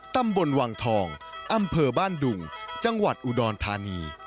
ตำบลวังทองอำเภอบ้านดุงจังหวัดอุดรธานี